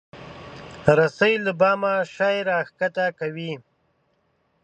رسۍ له بامه شی راکښته کوي.